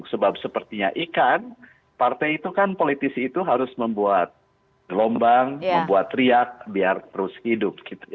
sebab sepertinya ikan partai itu kan politisi itu harus membuat gelombang membuat riak biar terus hidup